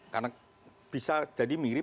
karena bisa jadi mirip